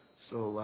そう。